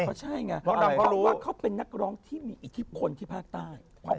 เพราะใช่ไงเขาเป็นนักร้องที่มีอิทธิบคลที่ภาคใต้